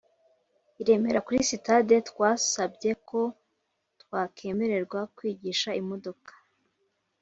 i remera kuri sitade twasabye ko twakemererwa kwigisha imododoka